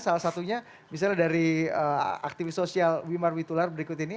salah satunya misalnya dari aktivis sosial wimar witular berikut ini